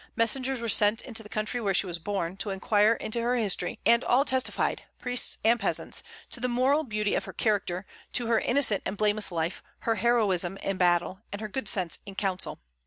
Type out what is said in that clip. Messengers were sent into the country where she was born, to inquire into her history; and all testified priests and peasants to the moral beauty of her character, to her innocent and blameless life, her heroism in battle, and her good sense in counsel.